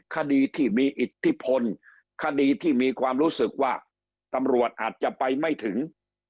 คดีที่มีอิทธิพลคดีที่มีความรู้สึกว่าตำรวจอาจจะไปไม่ถึง